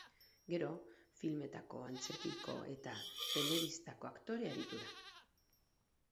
Gero filmetako, antzerkiko eta telebistako aktore aritu da.